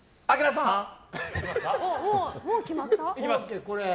もう決まった？